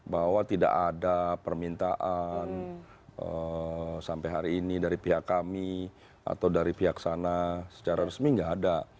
bahwa tidak ada permintaan sampai hari ini dari pihak kami atau dari pihak sana secara resmi tidak ada